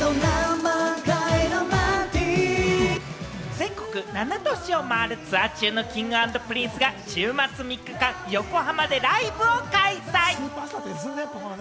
全国７都市を回るツアー中のＫｉｎｇ＆Ｐｒｉｎｃｅが週末３日間、横浜でライブを開催。